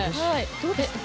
どうでしたか？